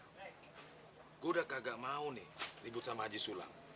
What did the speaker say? gua udah kagak mau nih libut sama haji sulam